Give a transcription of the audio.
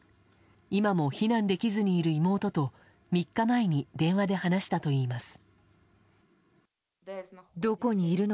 今も避難できずにいる妹と３日前に電話で話したといいます。